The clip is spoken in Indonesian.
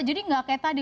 jadi gak kayak tadi